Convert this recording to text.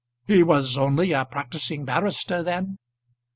"He was only a practising barrister then."